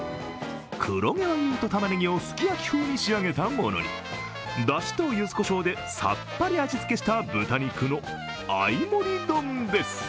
黒毛和牛とたまねぎをすき焼き風に仕上げたものに、だしとゆずこしょうでさっぱり味付けした豚肉の、合盛丼です。